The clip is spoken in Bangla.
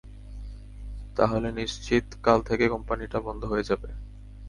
তাহলে নিশ্চিত কাল থেকে কোম্পানিটা বন্ধ হয়ে যাবে।